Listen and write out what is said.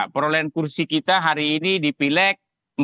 perolehan kursi kita hari ini di pileg empat puluh empat